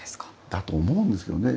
だと思うんですけどね。